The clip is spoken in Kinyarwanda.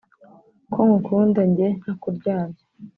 ko nkukunda njye ntakuryarya